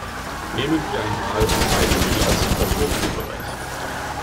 Nehmen wir einmal ein Beispiel aus dem Automobilbereich.